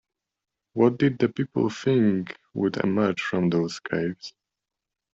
What did the people think would emerge from those caves?